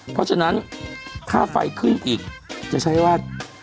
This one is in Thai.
เพราะฉะนั้นค่าไฟขึ้นอีกจะใช้ว่า